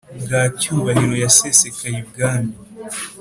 bwa cyubahiro yasesekaye ibwami.